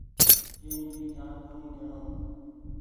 ڪين ڀي جآن ڪونيٚ ۮيڻو۔